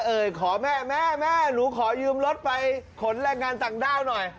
เอ่ยขอแม่แม่แม่หนูขอยืมรถไปขนแรงงานต่างด้าวหน่อย